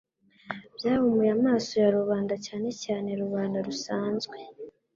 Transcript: byahumuye amaso ya rubanda, cyane cyane rubanda rusanzwe.